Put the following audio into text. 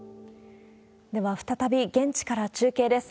では、再び現地から中継です。